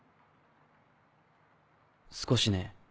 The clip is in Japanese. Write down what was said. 少しね。